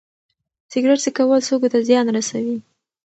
سګرټ څکول سږو ته زیان رسوي.